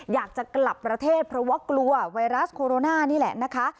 อยากจะกลับประเทศเพราะว่ากลัวไวรัสโคโรนานี่แหละนะคะ